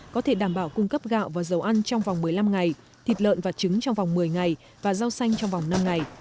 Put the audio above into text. có thể đảm bảo cung cấp gạo và dầu ăn trong vòng một mươi năm ngày thịt lợn và trứng trong vòng một mươi ngày và rau xanh trong vòng năm ngày